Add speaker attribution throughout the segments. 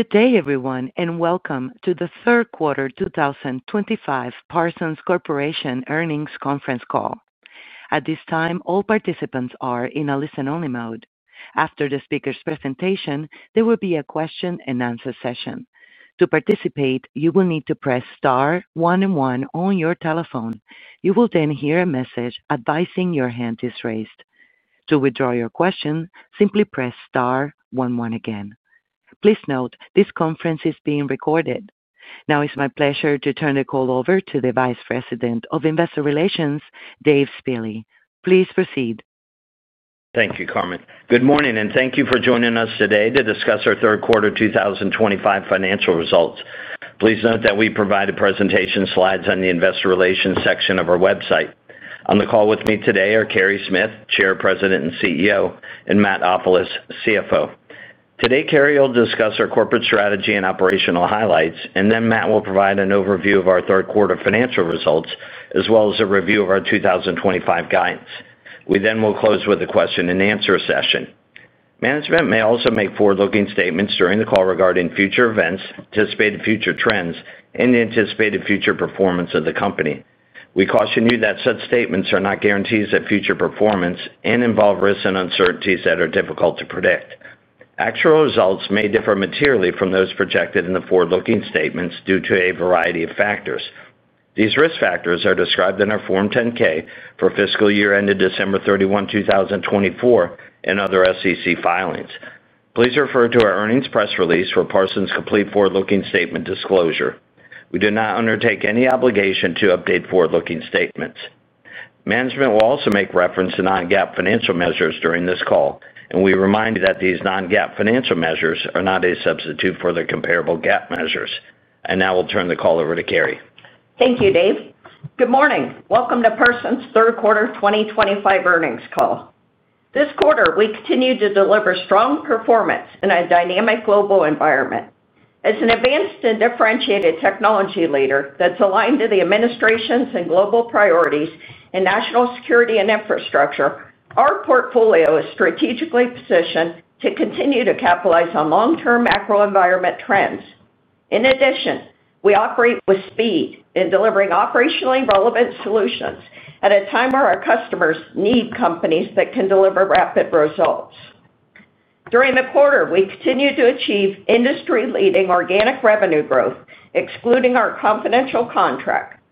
Speaker 1: Good day everyone and welcome to the Third Quarter 2025 Parsons Corporation Earnings Conference Call. At this time all participants are in a listen only mode. After the speakers' presentation there will be a question and answer session. To participate you will need to press star one and one on your telephone. You will then hear a message advising your hand is raised. To withdraw your question, simply press star then. Please note this conference is being recorded now. It's my pleasure to turn the call over to the Vice President of Investor Relations, Dave Spille. Please proceed.
Speaker 2: Thank you. Carmen, good morning and thank you for joining us today to discuss our third quarter 2025 financial results. Please note that we provide presentation slides on the Investor Relations section of our website. On the call with me today are Carey Smith, Chair, President and CEO, and Matt Ofilos, CFO. Today Carey will discuss our corporate strategy and operational highlights, and then Matt will provide an overview of our third quarter financial results as well as a review of our 2025 guidance. We then will close with a question and answer session. Management may also make forward-looking statements during the call regarding future events, anticipated future trends, and the anticipated future performance of the company. We caution you that such statements are not guarantees of future performance and involve risks and uncertainties that are difficult to predict. Actual results may differ materially from those projected in the forward looking statements due to a variety of factors. These risk factors are described in our Form 10-K for fiscal year ended December 31, 2024 and other SEC filings. Please refer to our earnings press release for Parsons' complete forward looking statement disclosure. We do not undertake any obligation to update forward looking statements. Management will also make reference to non-GAAP financial measures during this call and we remind you that these non-GAAP financial measures are not a substitute for their comparable GAAP measures. Now we'll turn the call over to Carey.
Speaker 3: Thank you, Dave. Good morning. Welcome to Parsons' third quarter 2025 earnings call. This quarter we continued to deliver strong performance in a dynamic global environment as an advanced and differentiated technology leader that's aligned to the administration's and global priorities in national security and infrastructure. Our portfolio is strategically positioned to continue to capitalize on long term macro environment trends. In addition, we operate with speed in delivering operationally relevant solutions at a time where our customers need companies that can deliver rapid results. During the quarter we continued to achieve industry leading organic revenue growth, excluding our confidential contract,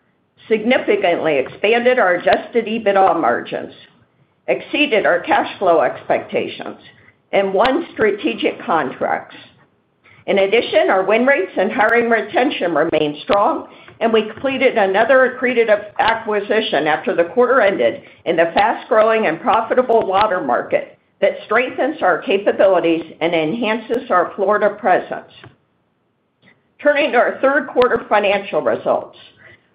Speaker 3: significantly expanded our adjusted EBITDA margins, exceeded our cash flow expectations, and won strategic contracts. In addition, our win rates and hiring retention remained strong and we completed another accretive acquisition after the quarter ended in the fast growing and profitable water market that strengthens our capabilities and enhances our Florida presence. Turning to our third quarter financial results,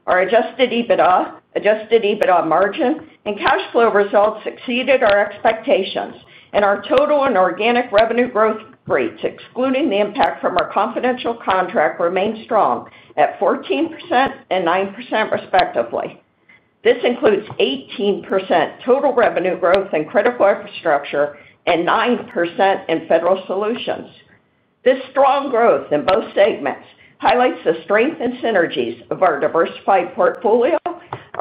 Speaker 3: our adjusted EBITDA, adjusted EBITDA margin and cash flow results exceeded our expectations and our total and organic revenue growth rates excluding the impact from our confidential contract remained strong at 14% and 9% respectively. This includes 18% total revenue growth in Critical Infrastructure and 9% in Federal Solutions. This strong growth in both segments highlights the strength and synergies of our diversified portfolio,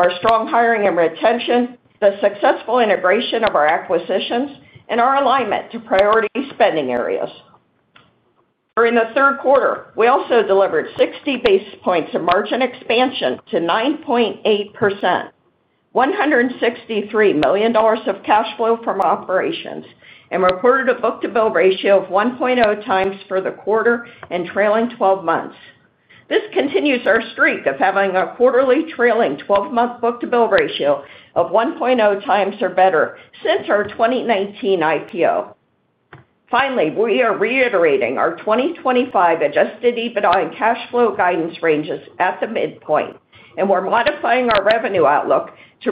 Speaker 3: our strong hiring and retention, the successful integration of our acquisitions and our alignment to priority spending areas. During the third quarter we also delivered 60 basis points of margin expansion to 9.8%, $163 million of cash flow from operations and reported a book to bill ratio of 1.0x for the quarter and trailing 12 months. This continues our streak of having a quarterly trailing 12 month book to bill ratio of 1.0x or better since our 2019 IPO. Finally, we are reiterating our 2025 adjusted EBITDA and cash flow guidance ranges at the midpoint and we're modifying our revenue outlook to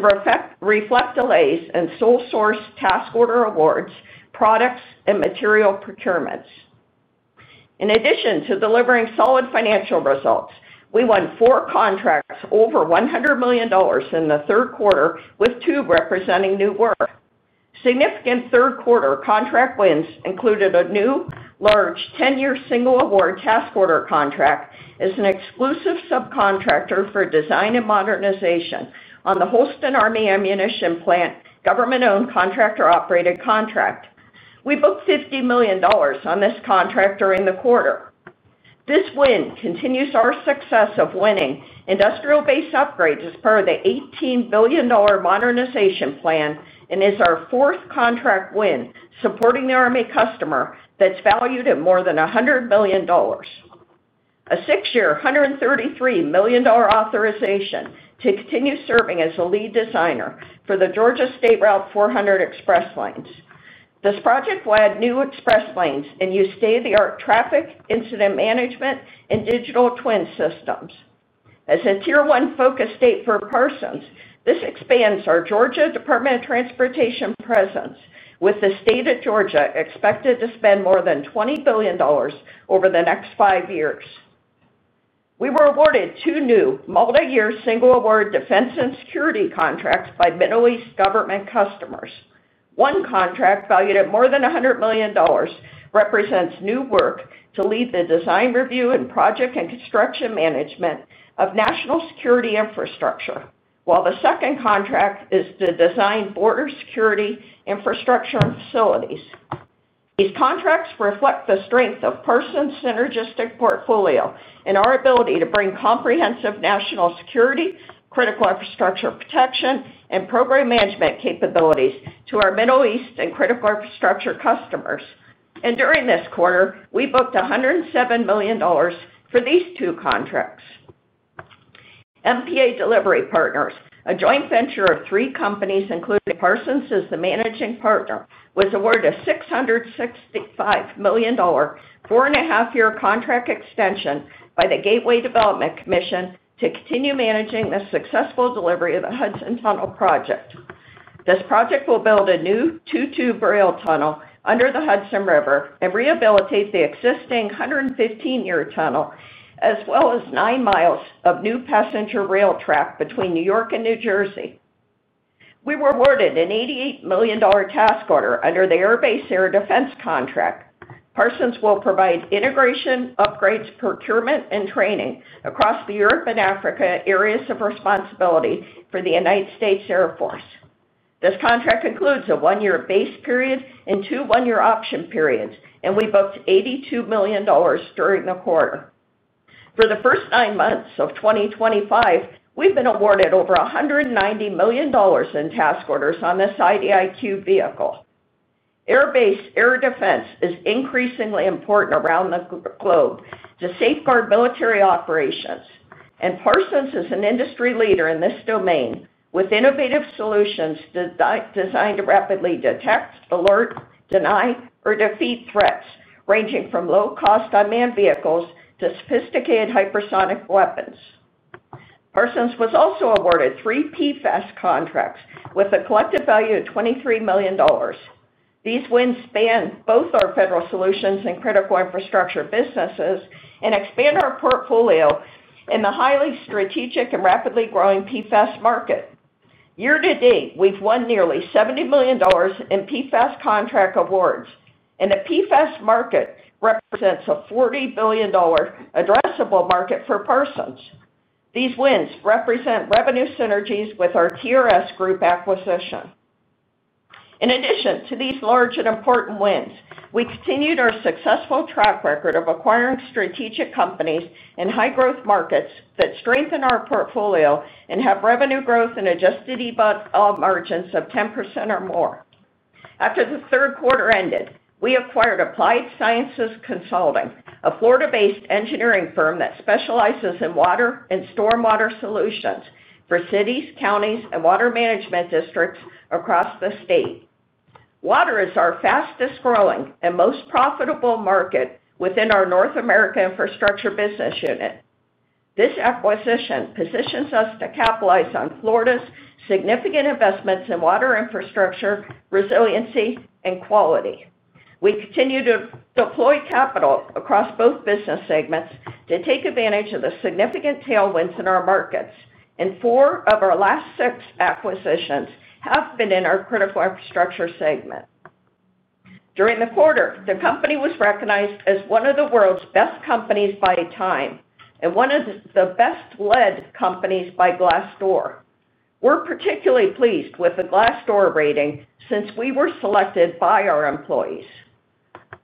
Speaker 3: reflect delays in sole source task order awards, products and material procurements. In addition to delivering solid financial results, we won four contracts over $100 million in the third quarter with two representing new work. Significant third quarter contract wins included a new large 10 year single award task order contract as an exclusive subcontractor for design and modernization on the Holston Army Ammunition Plant government owned contractor operated contract. We booked $50 million on this contract during the quarter. This win continues our success of winning industrial base upgrades as part of the $18 billion modernization plan and is our fourth contract win supporting the army customer that's valued at more than $100 million, a six year $133 million authorization to continue serving as the lead designer for the Georgia State Route 400 express lanes. This project will add new express lanes and use state of the art traffic incident management and digital twin systems as a Tier 1 focused state for Parsons. This expands our Georgia Department of Transportation presence with the State of Georgia expected to spend more than $20 billion over the next five years. We were awarded two new multi-year single award defense and security contracts by Middle East government customers. One contract valued at more than $100 million represents new work to lead the design, review, and project and construction management of national security infrastructure while the second contract is to design border security infrastructure and facilities. These contracts reflect the strength of Parsons' synergistic portfolio and our ability to bring comprehensive national security, critical infrastructure protection, and program management capabilities to our Middle East and critical infrastructure customers, and during this quarter we booked $107 million for these two contracts. MPA Delivery Partners, a joint venture of three companies including Parsons as the Managing Partner, was awarded a $665 million four and a half year contract extension by the Gateway Development Commission to continue managing the successful delivery of the Hudson Tunnel Project. This project will build a new two tube rail tunnel under the Hudson River and rehabilitate the existing 115 year tunnel as well as nine miles of new passenger rail track between New York and New Jersey. We were awarded an $88 million task order under the Air Base Air Defense contract, Parsons will provide integration, upgrades, procurement and training across the Europe and Africa areas of responsibility for the United States Air Force. This contract includes a one year base period and two one year option periods and we booked $82 million during the quarter. For the first nine months of 2025, we've been awarded over $190 million in task orders on this IDIQ vehicle. Air Base Air Defense is increasingly important around the globe to safeguard military operations and Parsons is an industry leader in this domain with innovative solutions designed to rapidly detect, alert, deny or defeat threats ranging from low cost unmanned vehicles to sophisticated hypersonic weapons. Parsons was also awarded three PFAS contracts with a collective value of $23 million. These wins span both our Federal Solutions and Critical Infrastructure businesses and expand our portfolio in the highly strategic and rapidly growing PFAS market. Year to date, we've won nearly $70 million in PFAS contract awards and the PFAS market represents a $40 billion addressable market for Parsons. These wins represent revenue synergies with our TRS Group acquisition. In addition to these large and important wins, we continued our successful track record of acquiring strategic companies in high growth markets that strengthen our portfolio and have revenue growth and adjusted EBITDA margins of 10% or more. After the third quarter ended, we acquired Applied Sciences Consulting, a Florida-based engineering firm that specializes in water and stormwater solutions for cities, counties, and water management districts across the state. Water is our fastest growing and most profitable market within our North America Infrastructure business unit. This acquisition positions us to capitalize on Florida's significant investments in water infrastructure, resiliency, and quality. We continue to deploy capital across both business segments to take advantage of the significant tailwinds in our markets and four of our last six acquisitions have been in our Critical Infrastructure segment. During the quarter the company was recognized as one of the world's best companies by TIME and one of the best led companies by Glassdoor. We're particularly pleased with the Glassdoor rating since we were selected by our employees.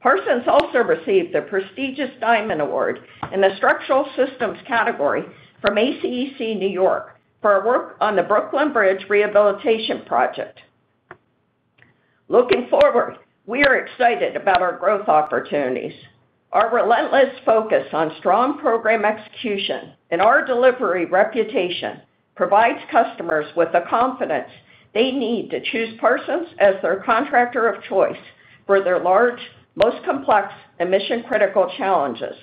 Speaker 3: Parsons also received the prestigious Diamond Award in the Structural Systems category from ACEC New York for our work on the Brooklyn Bridge Rehabilitation Project. Looking forward we are excited about our growth opportunities. Our relentless focus on strong program execution and our delivery reputation provides customers with the confidence they need to choose Parsons as their contractor of choice for their large, most complex and mission critical challenges.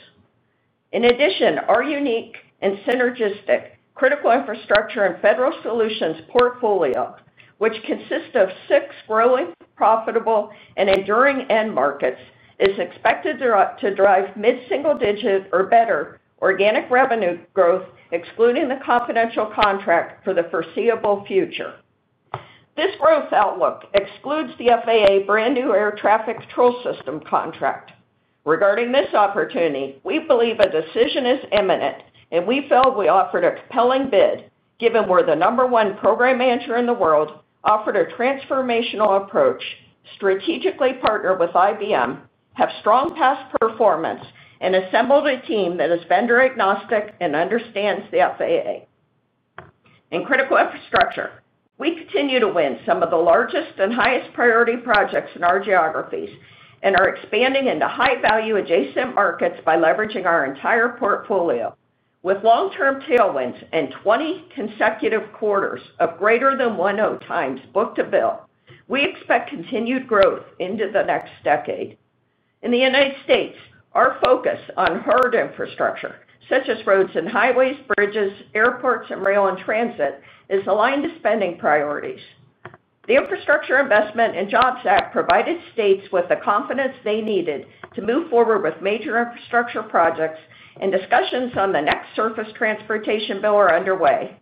Speaker 3: In addition, our unique and synergistic Critical Infrastructure and Federal Solutions portfolio which consists of six growing, profitable and enduring end markets is expected to drive mid single digit or better organic revenue growth excluding the confidential contract for the foreseeable future. This growth outlook excludes the FAA brand new air traffic control system contract. Regarding this opportunity, we believe a decision is imminent and we felt we offered a compelling bid given we are the number one program manager in the world, offered a transformational approach, strategically partnered with IBM, have strong past performance, and assembled a team that is vendor agnostic and understands the FAA. In Critical Infrastructure, we continue to win some of the largest and highest priority projects in our geographies and are expanding into high value adjacent markets by leveraging our entire portfolio. With long term tailwinds and 20 consecutive quarters of greater than 1.0x book-to-bill, we expect continued growth into the next decade. In the United States, our focus on hard infrastructure such as roads and highways, bridges, airports, and rail and transit is aligned to spending priorities. The Infrastructure Investment and Jobs Act provided states with the confidence they needed to move forward with major infrastructure projects and discussions on the next Surface Transportation Bill are underway.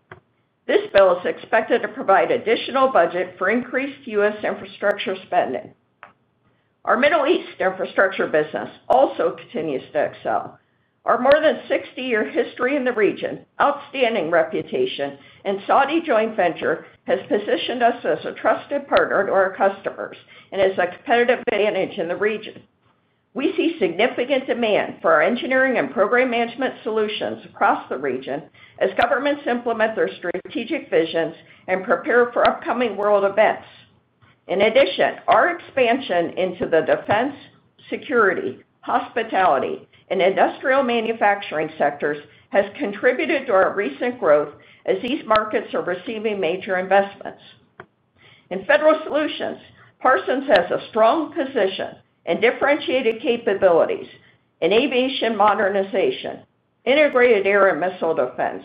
Speaker 3: This bill is expected to provide additional budget for increased U.S. infrastructure spending. Our Middle East infrastructure business also continues to excel our more than 60 year history in the region. Outstanding reputation and Saudi joint venture capital has positioned us as a trusted partner to our customers and is a competitive advantage in the region. We see significant demand for our engineering and program management solutions across the region as governments implement their strategic visions and prepare for upcoming world events. In addition, our expansion into the defense, security, hospitality, and industrial manufacturing sectors has contributed to our recent growth and as these markets are receiving major investments. In Federal Solutions, Parsons has a strong position in differentiated capabilities in aviation modernization, integrated air and missile defense,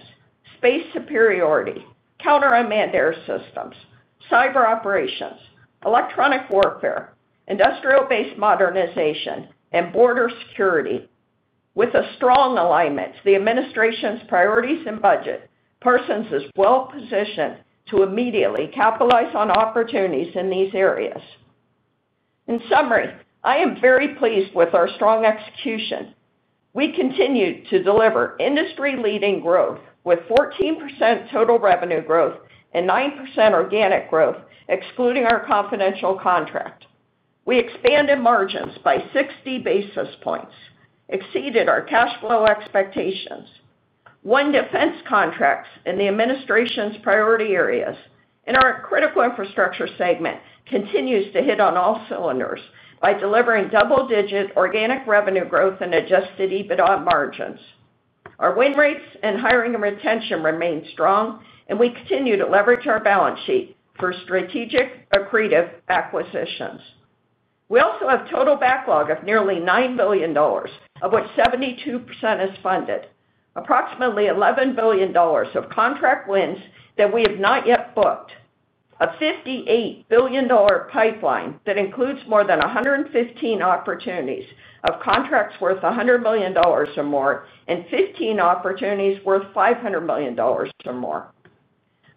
Speaker 3: space superiority, counter unmanned air systems, cyber operations, electronic warfare, industrial based modernization and border security. With a strong alignment to the Administration's priorities and budget, Parsons is well positioned to immediately capitalize on opportunities in these areas. In summary, I am very pleased with our strong execution. We continue to deliver industry leading growth with 14% total revenue growth and 9% organic growth. Excluding our confidential contract, we expanded margins by 60 basis points, exceeded our cash flow expectations, won defense contracts in the Administration's priority areas, and our Critical Infrastructure segment continues to hit on all cylinders by delivering double digit organic revenue growth and adjusted EBITDA margins. Our win rates and hiring and retention remained strong and we continue to leverage our balance sheet for strategic accretive acquisitions. We also have total backlog of nearly $9 billion of which 72% is funded, approximately $11 billion of contract wins that we have not yet booked, a $58 billion pipeline that includes more than 115 opportunities of contracts worth $100 million or more and 15 opportunities worth $500 million or more.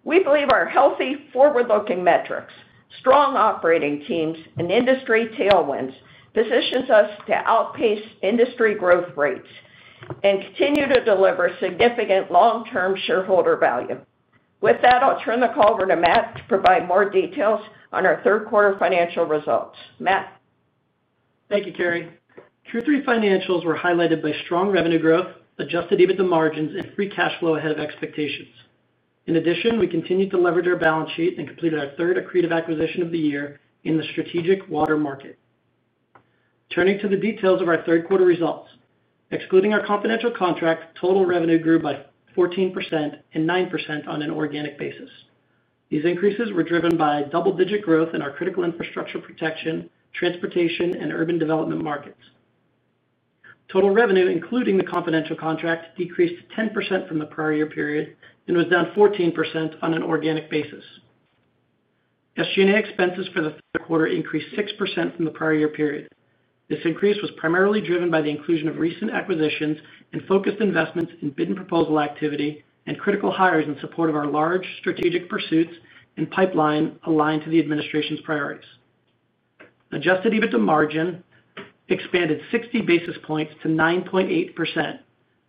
Speaker 3: We believe our healthy forward-looking metrics, strong operating teams and industry tailwinds positions us to outpace industry growth rates and continue to deliver significant long-term shareholder value. With that, I'll turn the call over to Matt to provide more details on our third quarter financial results. Matt?
Speaker 4: Thank you, Carey. Q3 financials were highlighted by strong revenue growth, adjusted EBITDA margins and free cash flow ahead of expectations. In addition, we continue to leverage our balance sheet and completed our third accretive acquisition of the year in the strategic water market. Turning to the details of our third quarter results, excluding our confidential contract, total revenue grew by 14% and 9% on an organic basis. These increases were driven by double digit growth in our critical infrastructure, protection, transportation and urban development markets. Total revenue including the confidential contract decreased 10% from the prior year period and was down 14% on an organic basis. SG&A expenses for the third quarter increased 6% from the prior year period. This increase was primarily driven by the inclusion of recent acquisitions and focused investments in bid and proposal activity and critical hires in support of our large strategic pursuits and pipeline aligned to the administration's priorities. Adjusted EBITDA margin expanded 60 basis points to 9.8%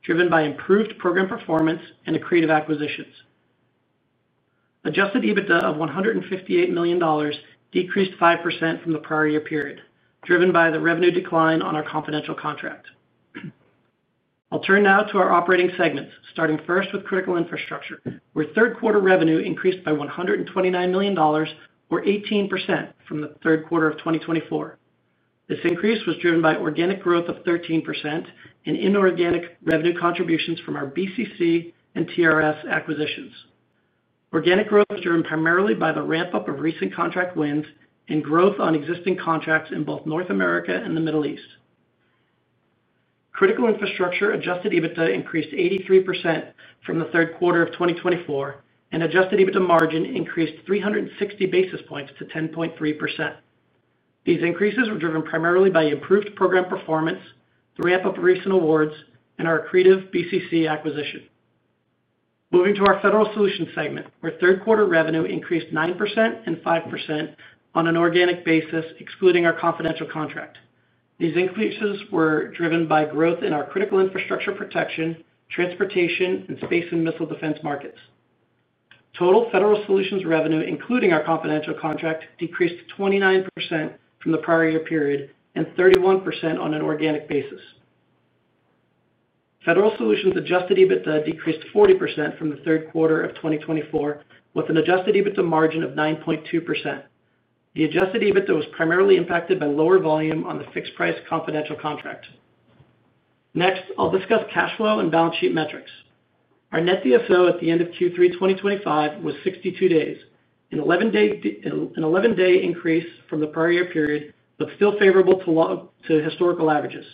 Speaker 4: driven by improved program performance and accretive acquisitions. Adjusted EBITDA of $158 million decreased 5% from the prior year period driven by the revenue decline on our confidential contract. I'll turn now to our operating segments starting first with Critical Infrastructure where third quarter revenue increased by $129 million or 18% from the third quarter of 2024. This increase was driven by organic growth of 13% and inorganic revenue contributions from our BCC and TRS acquisitions. Organic growth was driven primarily by the ramp up of recent contract wins and growth on existing contracts in both North America and the Middle East. Critical Infrastructure adjusted EBITDA increased 83% from the third quarter of 2024 and adjusted EBITDA margin increased 360 basis points to 10.3%. These increases were driven primarily by improved program performance, the ramp up of recent awards and our accretive BCC acquisition moving to our Federal Solutions segment where third quarter revenue increased 9% and 5% on an organic basis excluding our confidential contract. These increases were driven by growth in our critical infrastructure, protection, transportation and space and missile defense markets. Total Federal Solutions revenue including our confidential contract decreased 29% from the prior year period and 31% on an organic basis. Federal Solutions adjusted EBITDA decreased 40% from the third quarter of 2024 with an adjusted EBITDA margin of 9.2%. The adjusted EBITDA was primarily impacted by lower volume on the fixed price confidential contract. Next I'll discuss cash flow and balance sheet metrics. Our net DSO at the end of Q3 2025 was 62 days, an 11 day increase from the prior year period but still favorable to historical averages.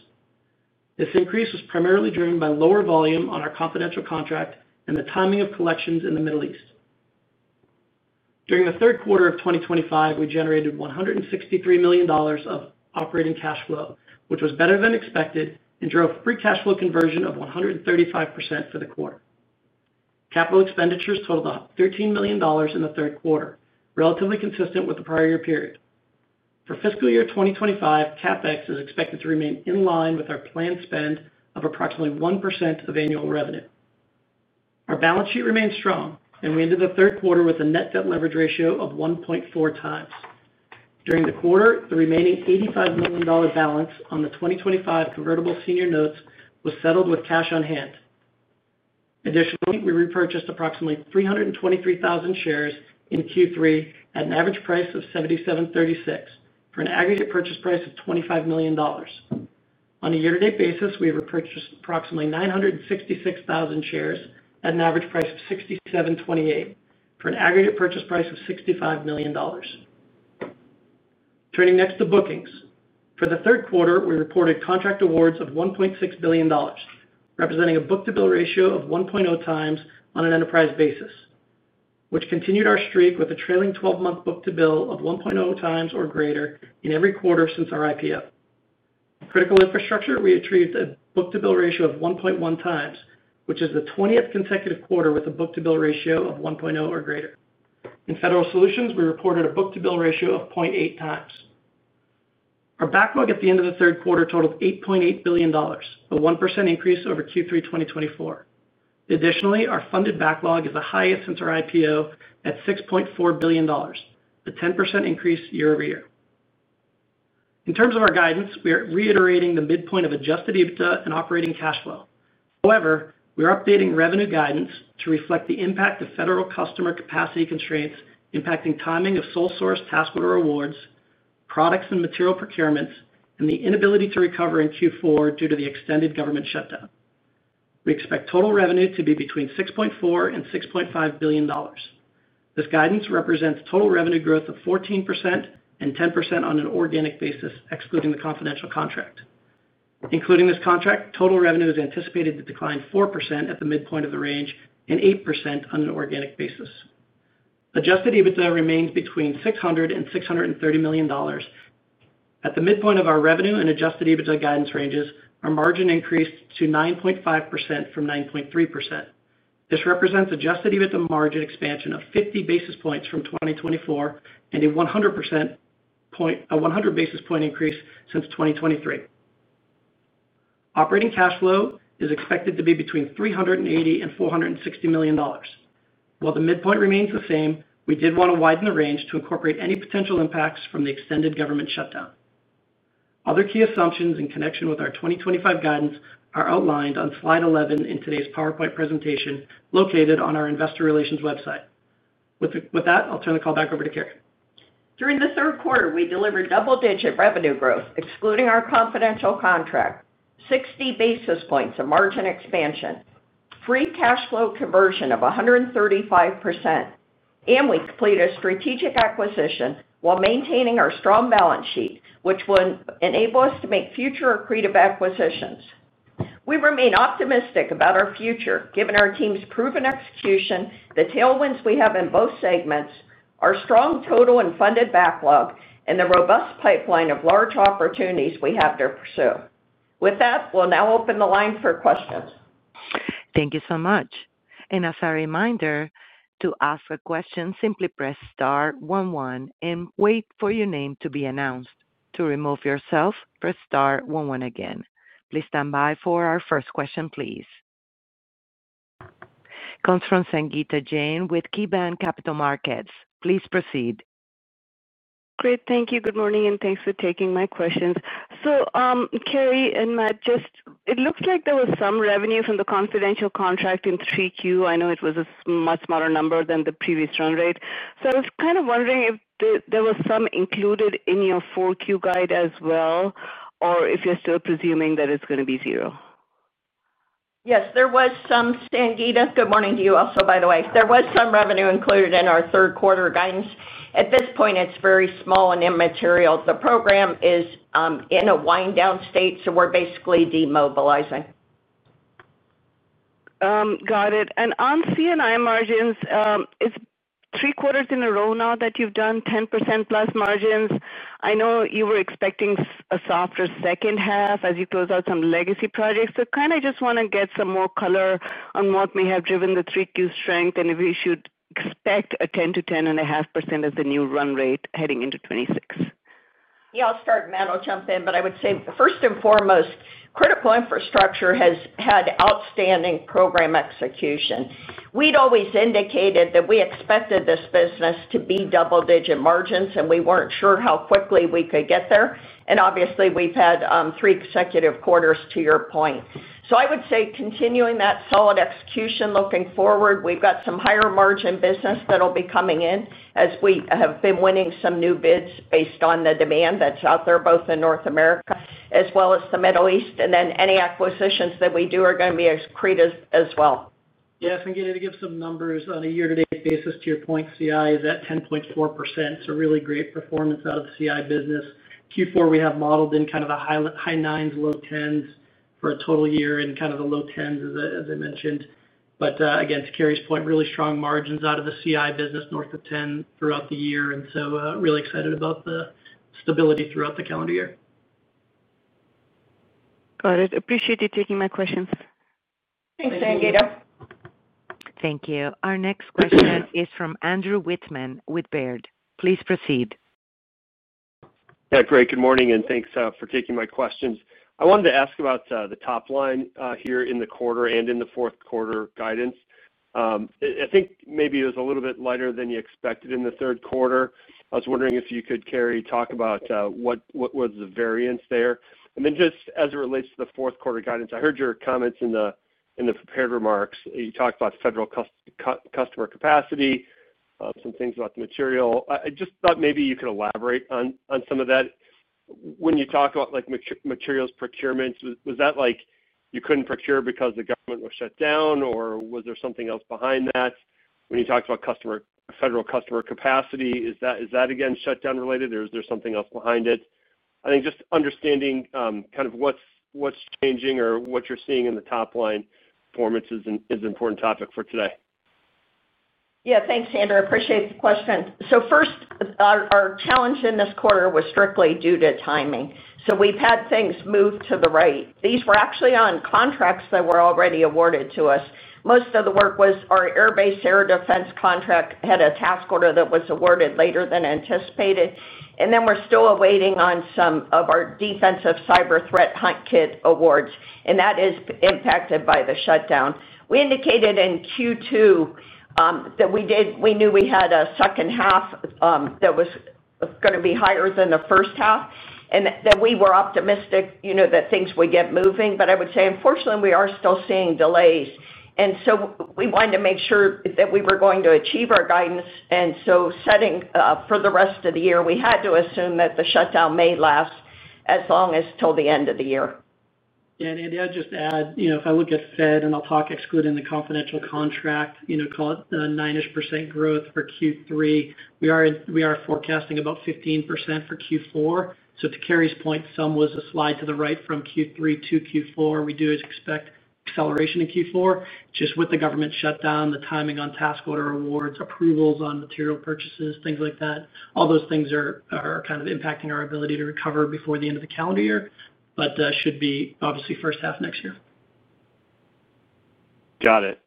Speaker 4: This increase was primarily driven by lower volume on our confidential contract and the timing of collections in the Middle East. During the third quarter of 2025 we generated $163 million of operating cash flow, which was better than expected and drove free cash flow conversion of 135% for the quarter. Capital expenditures totaled $13 million in the third quarter, relatively consistent with the prior year period. For fiscal year 2025, CapEx is expected to remain in line with our planned spend of approximately 1% of annual revenue. Our balance sheet remains strong and we ended the third quarter with a net debt leverage ratio of 1.4x. During the quarter, the remaining $85 million balance on the 2025 convertible senior notes was settled with cash on hand. Additionally, we repurchased approximately 323,000 shares in Q3 at an average price of $77.36 for an aggregate purchase price of $25 million. On a year to date basis, we repurchased approximately 966,000 shares at an average price of $67.28 for an aggregate purchase price of $65 million. Turning next to bookings, for the third quarter, we reported contract awards of $1.6 billion representing a book to bill ratio of 1.0x on an enterprise basis, which continued our streak with a trailing twelve month book to bill of 1.0x or greater in every quarter since our IPO. Critical Infrastructure, we achieved a book to bill ratio of 1.1x, which is the 20th consecutive quarter with a book to bill ratio of 1.0x or greater. In Federal Solutions, we reported a book-to-bill ratio of 0.8x. Our backlog at the end of the third quarter totaled $8.8 billion, a 1% increase over Q3 2024. Additionally, our funded backlog is the highest since our IPO at $6.4 billion, a 10% increase year over year. In terms of our guidance, we are reiterating the midpoint of adjusted EBITDA and operating cash flow. However, we are updating revenue guidance to reflect the impact of federal customer capacity constraints impacting timing of sole source task order awards, products and material procurements, and the inability to recover in Q4 due to the extended government shutdown. We expect total revenue to be between $6.4 billion-$6.5 billion. This guidance represents total revenue growth of 14% and 10% on an organic basis excluding the confidential contract. Including this contract, total revenue is anticipated to decline 4% at the midpoint of the range and 8% on an organic basis. Adjusted EBITDA remains between $600 million and $630 million. At the midpoint of our revenue and adjusted EBITDA guidance ranges, our margin increased to 9.5% from 9.3%. This represents adjusted EBITDA margin expansion of 50 basis points from 2024 and a 100 basis point increase since 2023. Operating cash flow is expected to be between $380 million and $460 million, while the midpoint remains the same. We did want to widen the range to incorporate any potential impacts from the extended government shutdown. Other key assumptions in connection with our 2025 guidance are outlined on slide 11 in today's PowerPoint presentation located on our Investor Relations website. With that, I'll turn the call back over to Carey.
Speaker 3: During the third quarter, we delivered double-digit revenue growth excluding our confidential contract, 60 basis points of margin expansion, free cash flow conversion of 135%, and we completed a strategic acquisition while maintaining our strong balance sheet which will enable us to make future accretive acquisitions. We remain optimistic about our future given our team's proven execution and the tailwinds we have in both segments, our strong total and funded backlog, and the robust pipeline of large opportunities we have to pursue. With that, we'll now open the line for questions.
Speaker 1: Thank you so much. As a reminder, to ask a question, simply press star 11 and wait for your name to be announced. To remove yourself, press star 11 again. Please stand by for our first question. Please, comes from Sangita Jain with KeyBanc Capital Markets. Please proceed.
Speaker 5: Great, thank you. Good morning and thanks for taking my questions. So Carey and Matt, it looks like there was some revenue from the confidential contract in 3Q. I know it was a much smaller number than the previous run rate, so I was kind of wondering if there was some included in your 4Q guide as well or if you're still presuming that it's going to be zero.
Speaker 3: Yes, there was some. Sangita, good morning to you. Also, by the way, there was some revenue included in our third quarter guidance. At this point it's very small and immaterial. The program is in a wind down state so we're basically demobilizing.
Speaker 5: Got it. On C&I margins, it's three quarters in a row now that you've done 10% plus margins. I know you were expecting a softer second half as you close out some legacy projects. I just want to get some more color on what may have driven the 3Q strength and if you should expect a 10%-10.5% new run rate heading into 2026.
Speaker 3: I'll start. Matt, I'll jump in. I would say first and foremost, Critical Infrastructure has had outstanding program execution. We'd always indicated that we expected this business to be double-digit margins and we weren't sure how quickly we could get there. Obviously, we've had three consecutive quarters to your point. I would say continuing that solid execution looking forward. We've got some higher margin business that will be coming in as we have been winning some new bids based on the demand that's out there both in North America as well as the Middle East. Any acquisitions that we do are going to be accretive as well.
Speaker 4: Yes. To give some numbers on a year to date basis, to your point, CI is at 10.4%. Really great performance out of the CI business. Q4 we have modeled in kind of the high 9s, low 10s for a total year in kind of the low 10s as I mentioned, but again to Carey's point, really strong margins out of the CI business north of 10% throughout the year, and really excited about the stability throughout the calendar year.
Speaker 5: Got it. Appreciate you taking my questions.
Speaker 3: Thanks, Sangita.
Speaker 1: Thank you. Our next question is from Andrew Wittman with Baird. Please proceed.
Speaker 6: Great. Good morning and thanks for taking my questions. I wanted to ask about the top line here in the quarter and in the fourth quarter guidance, I think maybe it was a little bit lighter than you expected in the third quarter. I was wondering if you could, Carey, talk about what was the variance there. And then just as it relates to the fourth quarter guidance, I heard your comments. In the prepared remarks you talked about federal customers, customer capacity, some things about the material. I just thought maybe you could elaborate on some of that. When you talk about like materials procurements, was that like you could not procure because the government was shut down or was there something else behind that? When you talked about customer federal customer capacity, is that again shutdown related or is there something else behind it? I think just understanding kind of what's changing or what you're seeing in the top line performance is an important topic for today.
Speaker 3: Yeah, thanks Andrew, I appreciate the question. First, our challenge in this quarter was strictly due to timing. We've had things move to the right. These were actually on contracts that were already awarded to us. Most of the work was our Air Base Air Defense contract had a task order that was awarded later than anticipated. We're still awaiting on some of our defensive cyber threat hunt kit awards, and that is impacted by the shutdown. We indicated in Q2 that we did. We knew we had a second half that was going to be higher than the first half and that we were optimistic, you know, that things would get moving. I would say unfortunately we are still seeing delays and we wanted to make sure that we were going to achieve our guidance. Setting for the rest of the year, we had to assume that the shutdown may last as long as till the end of the year.
Speaker 4: Yeah. Andy, I'd just add, you know, if I look at Fed and I'll talk, excluding the confidential contract, you know, call it 9% growth for Q3, we are forecasting about 15% for Q4. To Carey's point, some was a slide to the right from Q3 to Q4. We do expect acceleration in Q4 just with the government shutdown, the timing on task order awards, approvals on material purchases, things like that, all those things are kind of impacting our ability to recover before the end of the calendar year. Should be obviously first half next year.
Speaker 6: Got it.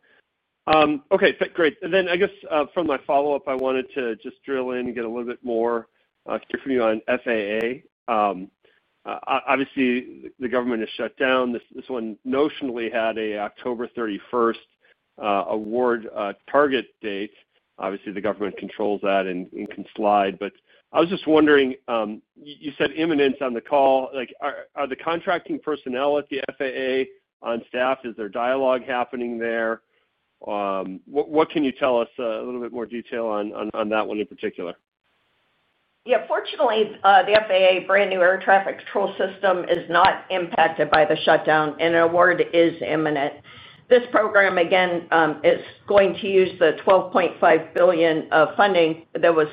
Speaker 6: Okay, great. I guess for my follow up I wanted to just drill in and get a little bit more on FAA. Obviously the government has shut down. This one notionally had an October 31st award target date. Obviously the government controls that and can slide. I was just wondering, you said imminence on the call. Are the contracting personnel at the FAA on staff? Is there dialogue happening there? What? Can you tell us a little bit more detail on that one in particular?
Speaker 3: Yeah. Fortunately, the FAA brand new air traffic control system is not impacted by the shutdown and an award is imminent. This program again is going to use the $12.5 billion funding that was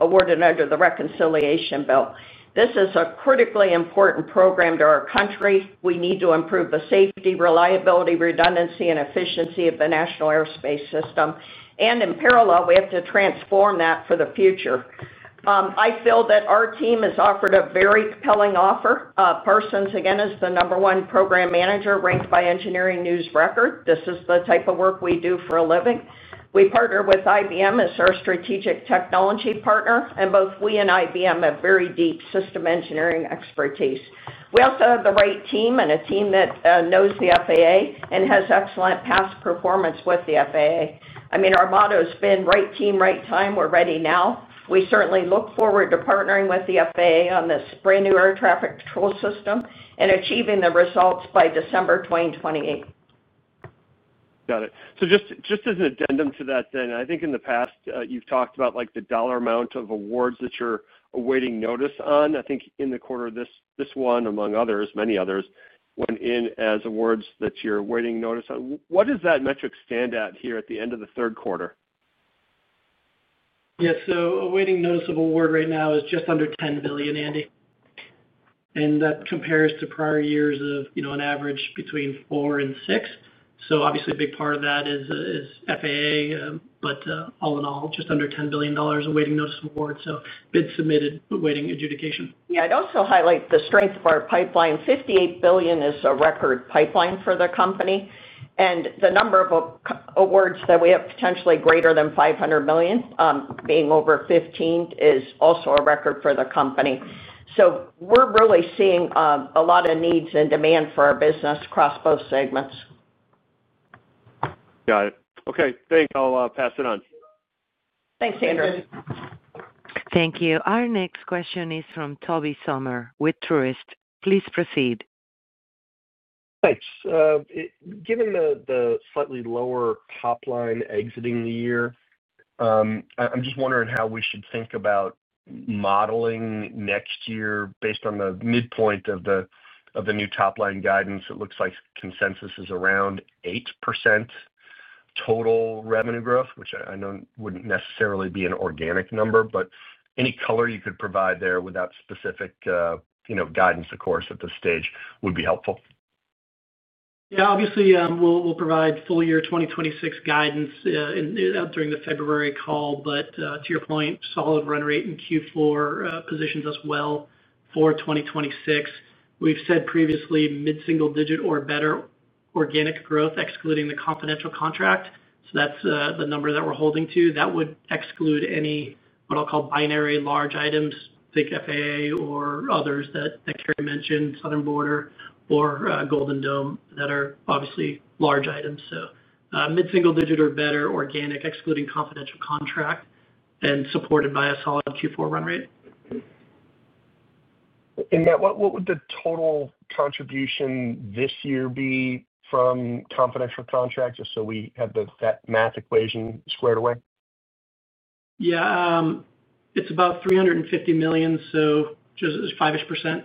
Speaker 3: awarded under the reconciliation bill. This is a critically important program to our country. We need to improve the safety, reliability, redundancy, and efficiency of the national airspace system. In parallel, we have to transform that for the future. I feel that our team has offered a very compelling offer. Parsons again is the number one program manager ranked by Engineering News Record. This is the type of work we do for a living. We partner with IBM as our strategic technology partner. Both we and IBM have very deep system engineering expertise. We also have the right team and a team that knows the FAA and has excellent past performance with the FAA. I mean, our motto has been right team, right time. We're ready now. We certainly look forward to partnering with the FAA on this brand new air traffic control system and achieving the results by December 2028.
Speaker 6: Got it. So just as an addendum to that then I think in the past you've talked about like the dollar amount of awards that you're awaiting notice on. I think in the quarter, this one, among others, many others went in as awards that you're awaiting notice on. What does that metric stand at here at the end of the third quarter?
Speaker 4: Yes. Awaiting notice of award right now is just under $10 billion, Andy. That compares to prior years of an average between $4 billion and $6 billion. Obviously a big part of that is FAA, but all in all, just under $10 billion awaiting notice of awards. Bids submitted, awaiting adjudication.
Speaker 3: Yeah. I'd also highlight the strength of our pipeline. $58 billion is a record pipeline for the company. The number of awards that we have, potentially greater than $500 million being over 15, is also a record for the company. We're really seeing a lot of needs and demand for our business across both segments.
Speaker 6: Got it. Okay, thanks. I'll pass it on.
Speaker 3: Thanks, Andrew.
Speaker 1: Thank you. Our next question is from Tobey Sommer with Truist. Please proceed.
Speaker 7: Thanks. Given the slightly lower top line exiting the year, I'm just wondering how we should think about modeling next year. Based on the midpoint of the new top line guidance, it looks like consensus is around 8% total revenue growth, which I know wouldn't necessarily be an organic number, but any color you could provide there without specific guidance of course at this stage would be helpful.
Speaker 4: Yeah, obviously we'll provide full-year 2026 guidance during the February call. But to your solid run rate in Q4 positions us well for 2026. We've said previously mid single digit or better organic growth, excluding the confidential contract. So that's the number that we're holding to that would exclude any what I'll call binary large items, think FAA or others that Carey mentioned, Southern Border or Golden Dome, that are obviously large items. So mid single digit or better organic, excluding confidential contract and supported by a solid Q4 run rate.
Speaker 7: Matt, what would the total contribution this year be from confidential contracts? Just so we have that math equation squared away.
Speaker 4: Yeah, it's about $350 million. So just 5%.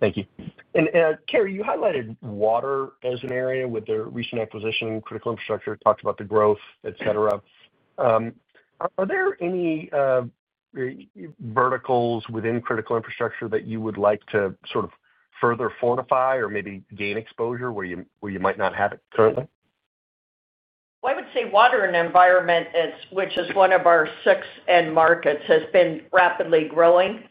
Speaker 7: Thank you. Carey, you highlighted water as an area with the recent acquisition, Critical Infrastructure, talked about the growth, et cetera. Are there any verticals within Critical Infrastructure that you would like to sort of further fortify or maybe gain exposure where you might not have it currently?
Speaker 3: I would say water and environment, which is one of our six end markets, has been rapidly growing.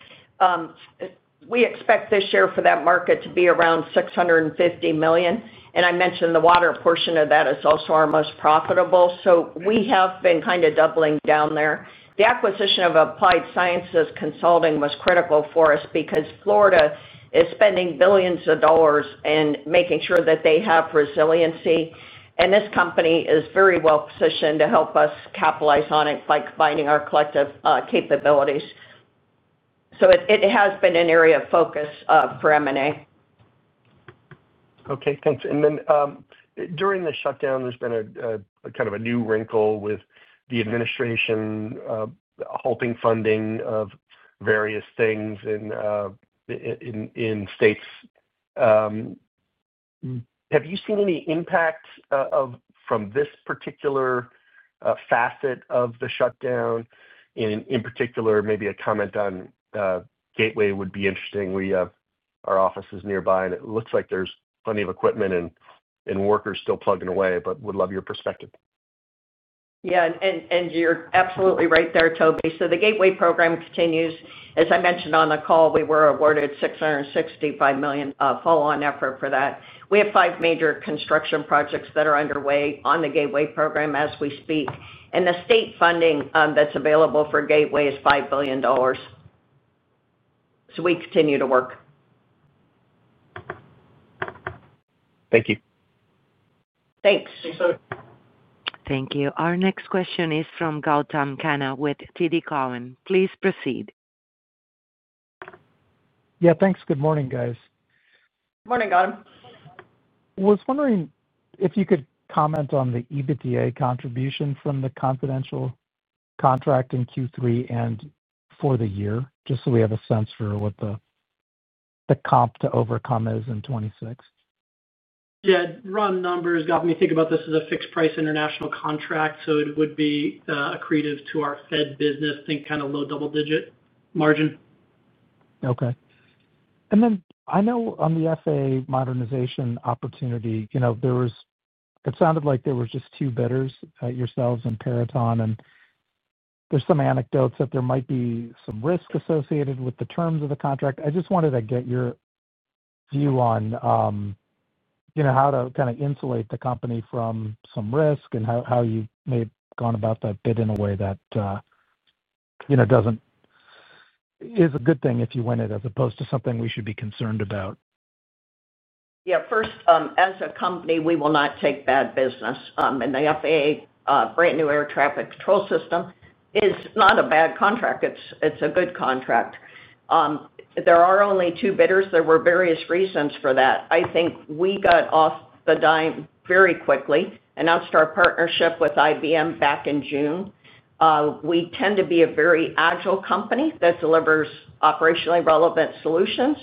Speaker 3: We expect this year for that market to be around $650 million. I mentioned the water portion of that is also our most profitable. We have been kind of doubling down there. The acquisition of Applied Sciences Consulting was critical for us because Florida is spending billions of dollars in making sure that they have resiliency. This company is very well positioned to help us capitalize on it by combining our collective capabilities. It has been an area of focus for M&A.
Speaker 7: Okay, thanks. During the shutdown, there's been a kind of a new wrinkle with the administration halting funding of various things in states. Have you seen any impact from this particular facet of the shutdown? In particular, maybe a comment on Gateway would be interesting. We have our offices nearby and it looks like there's plenty of equipment and workers still plugging away. Would love your perspective.
Speaker 3: Yeah, and you're absolutely right there, Tobey. The Gateway program continues. As I mentioned on the call, we were awarded $665 million follow-on effort for that. We have five major construction projects that are underway on the Gateway program as we speak. The state funding that's available for Gateway is $5 billion. We continue to work.
Speaker 7: Thank you.
Speaker 3: Thanks.
Speaker 1: Thank you. Our next question is from Gautam Khanna with TD Cowen. Please proceed.
Speaker 8: Yeah, thanks. Good morning, guys.
Speaker 3: Good morning. Gautam.
Speaker 8: Was wondering if you could comment on the EBITDA contribution from the confidential contract in Q3 and for the year. Just so we have a sense for what the comp to overcome is in 2026.
Speaker 4: Yeah, Ron, numbers got me thinking about this as a fixed price international contract. So it would be accretive to our Fed business. Think kind of low double digit margin.
Speaker 8: Okay. And then I know on the FAA modernization opportunity, you know, there was. It sounded like there was just two bidders, yourselves and Peraton. And there's some anecdotes that there might. Be some risk associated with the terms of the contract. I just wanted to get your view on, you know, how to kind of insulate the company from some risk and how you may have gone about that bid in a way that, you know, does not. Is a good thing if you win it. As opposed to something we should be concerned about.
Speaker 3: Yeah. First, as a company, we will not take bad business. The FAA brand new air traffic control system is not a bad contract. It is a good contract. There are only two bidders. There were various reasons for that. I think we got off the dime very quickly, announced our partnership with IBM back in June. We tend to be a very agile company that delivers operationally relevant solutions.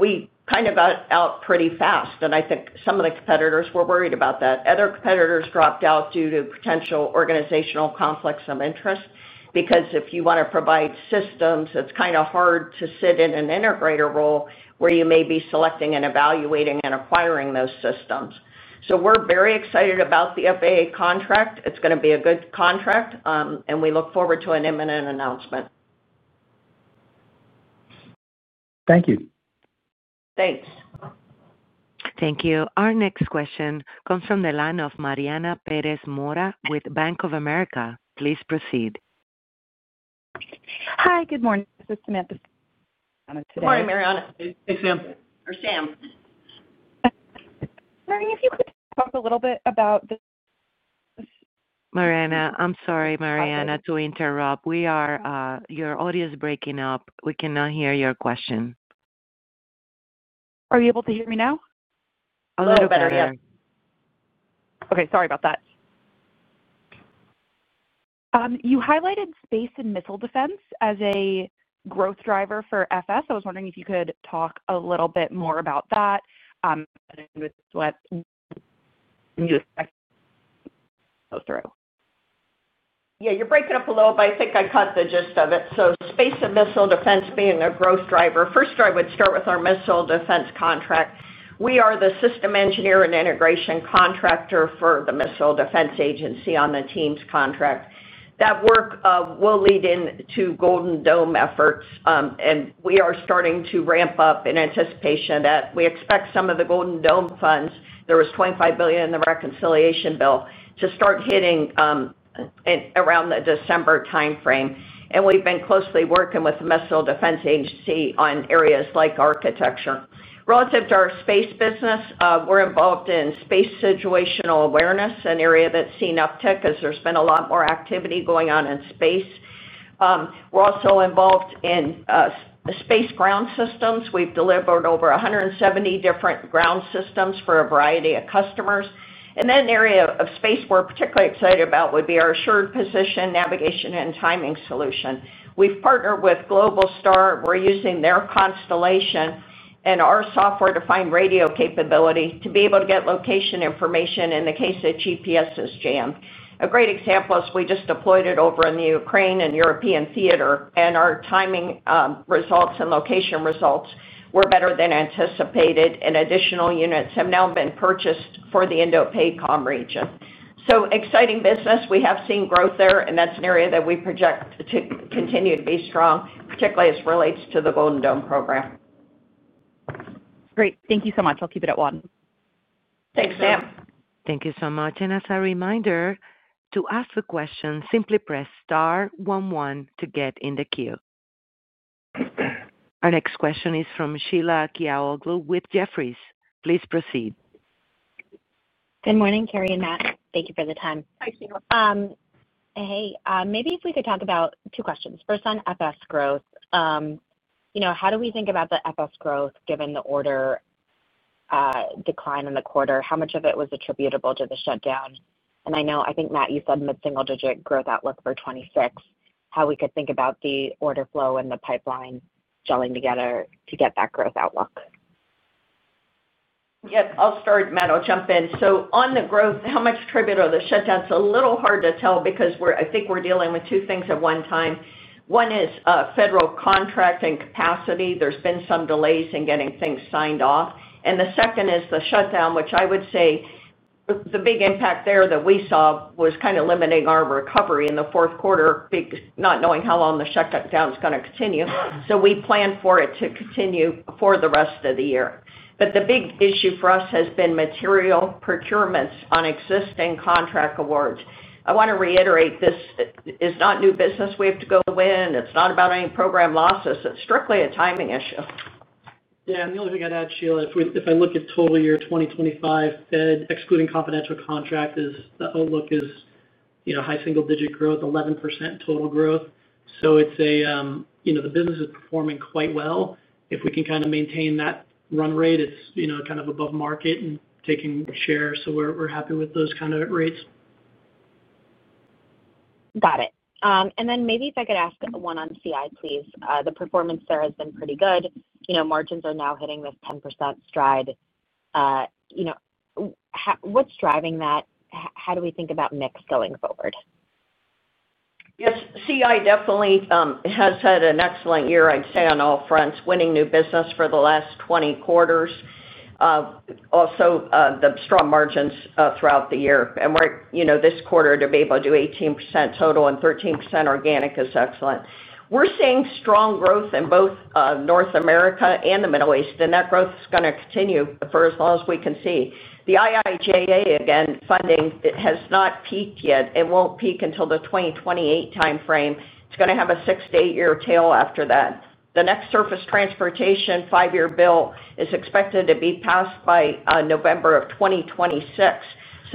Speaker 3: We kind of got out pretty fast. I think some of the competitors were worried about that. Other competitors dropped out due to potential organizational conflicts of interest. Because if you want to provide systems, it is kind of hard to sit in an integrator role where you may be selecting and evaluating and acquiring those systems. We are very excited about the FAA contract. It's going to be a good contract and we look forward to an imminent announcement.
Speaker 8: Thank you.
Speaker 3: Thanks.
Speaker 1: Thank you. Our next question comes from the line of Mariana Perez Mora with Bank of America. Please proceed.
Speaker 9: Hi, good morning, this is Samantha.
Speaker 3: Morning, Mariana.
Speaker 4: Hey, Sam.
Speaker 3: Or Sam. Wondering if you could talk a little bit about.
Speaker 1: Mariana, I'm sorry, Mariana, to interrupt. We are—your audio is breaking up. We cannot hear your question.
Speaker 9: Are you able to hear me now?
Speaker 3: a little better? Yes. Okay. Sorry about that.
Speaker 9: You highlighted space and missile defense as a growth driver for FS. I was wondering if you could talk a little bit more about that.
Speaker 3: Yeah, you're breaking up a little, but I think I caught the gist of it. Space and missile defense being a growth driver. First, I would start with our missile defense contract. We are the system engineer and integration contractor for the Missile Defense Agency on the TEAMS contract. That work will lead into Golden Dome efforts. We are starting to ramp up in anticipation that we expect some of the Golden Dome funds. There was $25 billion in the reconciliation bill to start hitting around the December timeframe. We have been closely working with the Missile Defense Agency on areas like architecture. Relative to our space business. We're involved in space situational awareness, an area that's seen uptick as there's been a lot more activity going on in space. We're also involved in space ground systems. We've delivered over 170 different ground systems for a variety of customers. An area of space we're particularly excited about would be our assured position, navigation and timing solution. We've partnered with Globalstar, we're using their constellation and our software-defined radio capability to be able to get location information in the case that GPS is jammed. A great example is we just deployed it over in the Ukraine and European theater and our timing results and location results were better than anticipated. Additional units have now been purchased for the Indo-Pacific region. Exciting business. We have seen growth there and that's an area that we project to continue to be strong, particularly as it relates to the Golden Dome program.
Speaker 9: Great. Thank you so much. I'll keep it at one.
Speaker 3: Thanks Sam.
Speaker 1: Thank you so much. As a reminder to ask the question, simply press star one one to get in the queue. Our next question is from Sheila Kahyaoglu with Jefferies. Please proceed.
Speaker 10: Good morning Carey and Matt. Thank you for the time. Hey, maybe if we could talk about two questions. First, on FS growth, how do we think about the FS growth given the order decline in the quarter, how much of it was attributable to the shutdown? And I know, I think Matt, you said mid single digit growth outlook for 2026. How we could think about the order flow and the pipeline gelling together to get that growth outlook.
Speaker 3: Yes, I'll start, Matt. I'll jump in. So on the growth, how much attribute are the shutdown? It's a little hard to tell because I think we're dealing with two things at one time. One is federal contract and capacity. There's been some delays in getting things signed off. The second is the shutdown, which I would say the big impact there that we saw was kind of limiting our recovery in the fourth quarter, not knowing how long the shutdown is going to continue. We plan for it to continue for the rest of the year. The big issue for us has been material procurements on existing contract awards. I want to reiterate, this is not new business we have to go win. It's not about any program losses. It's strictly a timing issue.
Speaker 4: Yeah. The only thing I'd add, Sheila, if I look at total year 2025, Fed excluding confidential contract is the outlook is, you know, high single digit growth, 11% total growth. It is a, you know, the business is performing quite well. If we can kind of maintain that run rate, it is kind of above market and taking share. We are happy with those kind of rates.
Speaker 10: Got it. And then maybe if I could ask one on CI please. The performance there has been pretty good. Margins are now hitting this 10% stride. What's driving that? How do we think about mix going forward?
Speaker 3: Yes, CI definitely has had an excellent year. I'd say on all fronts winning new business for the last year, 20 quarters. Also the strong margins throughout the year and you know, this quarter to be able to do 18% total and 13% organic is excellent. We're seeing strong growth in both North America and the Middle East. And that growth is going to continue for as long as we can see the IIJA again. Funding has not peaked yet. It won't peak until the 2028 timeframe. It's going to have a six-eight year tail after that. The next surface transportation five year bill is expected to be passed by November of 2026.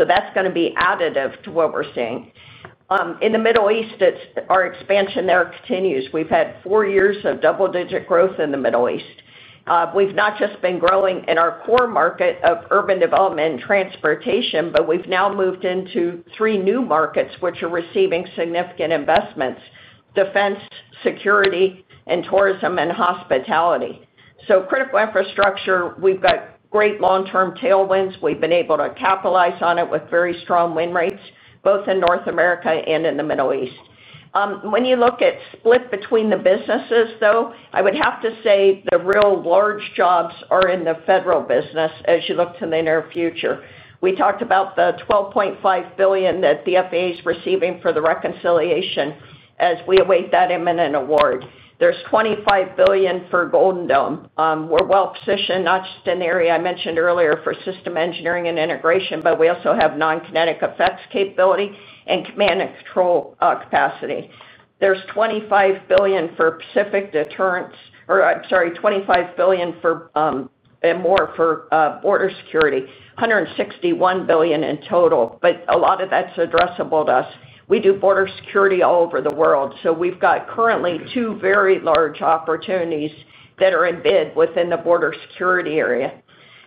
Speaker 3: That's going to be additive to what we're seeing in the Middle East. Our expansion there continues. We've had four years of double digit growth in the Middle East. We've not just been growing in our core market of urban development and transportation, but we've now moved into three new markets which are receiving significant investments. Defense, security, and tourism and hospitality. Critical Infrastructure, we've got great long term tailwinds. We've been able to capitalize on it with very strong win rates both in North America and in the Middle East. When you look at split between the businesses though, I would have to say the real large jobs are in the federal business. As you look to the near future, we talked about the $12.5 billion that the FAA is receiving for the reconciliation. As we await that imminent award. There's $25 billion for Golden Dome. We're well positioned, not just in the area I mentioned earlier for system engineering and integration, but we also have non kinetic effects capability and command and control capacity. There's $25 billion for Pacific deterrence or -- I'm sorry, $25 billion more for border security. $161 billion in total. A lot of that's addressable to us. We do border security all over the world. We've got currently two very large opportunities that are in bid within the border security area.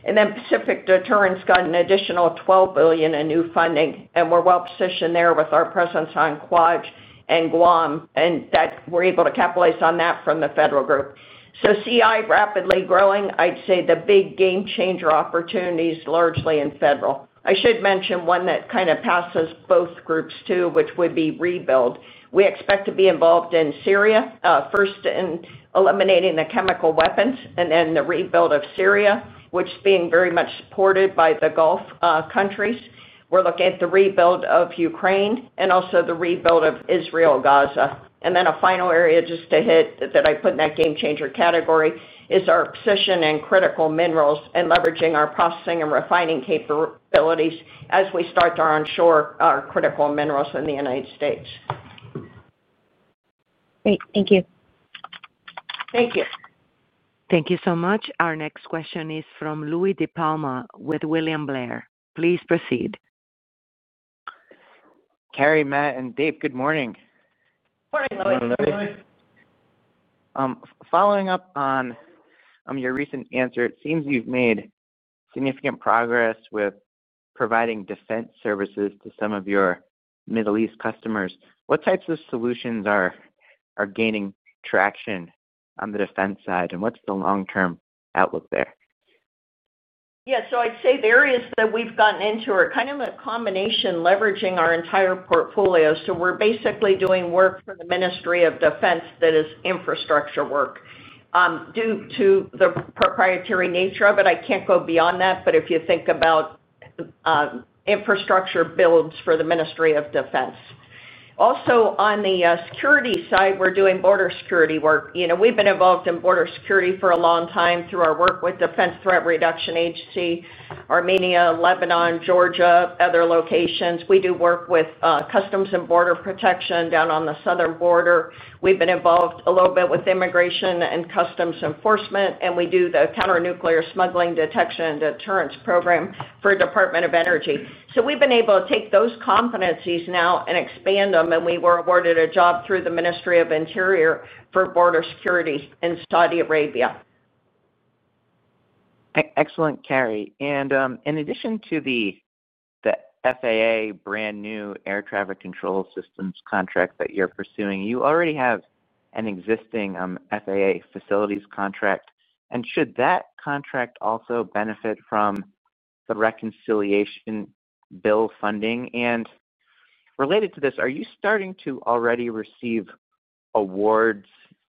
Speaker 3: Pacific Deterrence got an additional $12 billion in new funding and we're well positioned there with our presence on quads and Guam and that we're able to capitalize on that from the federal group. CI rapidly growing, I'd say the big game changer opportunities largely in federal, I should mention one that kind of passes both groups too, which would be rebuild. We expect to be involved in Syria first in eliminating the chemical weapons and then the rebuild of Syria, which being very much supported by the Gulf countries. We're looking at the rebuild of Ukraine and also the rebuild of Israel, Gaza. A final area just to hit that I put in that game changer category is our position in critical minerals and leveraging our processing and refining capabilities as we start to onshore critical minerals in the United States.
Speaker 10: Great, thank you.
Speaker 3: Thank you.
Speaker 1: Thank you so much. Our next question is from Louie DiPalma with William Blair. Please proceed.
Speaker 11: Carey, Matt and Dave, good morning.
Speaker 3: Morning, Louie.
Speaker 11: Following up on your recent answer, it seems you've made significant progress with providing defense services to some of your Middle East customers. What types of solutions are gaining traction on the defense side and what's the long term outlook there?
Speaker 3: Yeah, so I'd say the areas that we've gotten into are kind of a combination leveraging our entire portfolio. So we're basically doing work for the Ministry of Defense, that is infrastructure work. Due to the proprietary nature of it, I can't go beyond that. If you think about infrastructure builds for the Ministry of Defense. Also on the security side, we're doing more security work. You know, we've been involved in border security for a long time through our work with Defense Threat Reduction Agency, Armenia, Lebanon, Georgia, other locations. We do work with Customs and Border Protection down on the southern border. We've been involved a little bit with Immigration and Customs Enforcement and we do the counter nuclear smuggling detection and deterrence program for Department of Energy. We've been able to take those confidence and expand them. We were awarded a job through the Ministry of Interior for border security in Saudi Arabia.
Speaker 11: Excellent, Carey. In addition to the FAA brand new air traffic control systems contract that you're pursuing, you already have an existing FAA facilities contract. Should that contract also benefit from the reconciliation bill funding? Related to this, are you starting to already receive awards